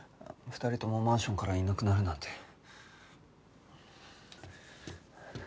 ２人ともマンションからいなくなるなんて。